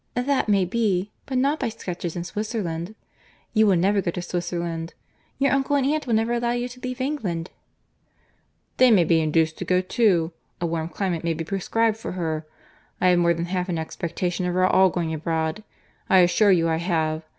"That may be—but not by sketches in Swisserland. You will never go to Swisserland. Your uncle and aunt will never allow you to leave England." "They may be induced to go too. A warm climate may be prescribed for her. I have more than half an expectation of our all going abroad. I assure you I have.